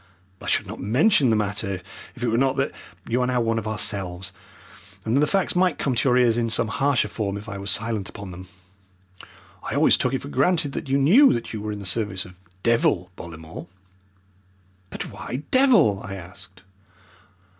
I should not mention the matter if it were not that you are now one of ourselves, and that the facts might come to your ears in some harsher form if I were silent upon them. I always took it for granted that you knew that you were in the service of 'Devil' Bollamore." "But why 'Devil'?" I asked.